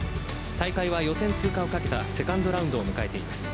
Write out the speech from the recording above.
大会は予選通過をかけたセカンドラウンドを迎えています。